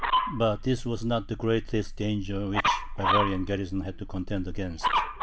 But this was not the greatest danger which the Bavarian garrison had to contend against.